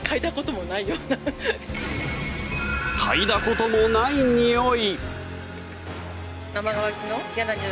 嗅いだこともないにおい。